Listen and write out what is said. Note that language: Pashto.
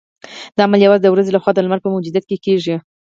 دا عمل یوازې د ورځې لخوا د لمر په موجودیت کې کیږي